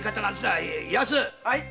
はい？